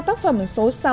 tác phẩm số sáu